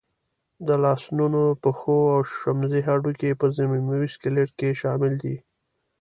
د لاسنونو، پښو او شمزۍ هډوکي په ضمیموي سکلېټ کې شامل دي.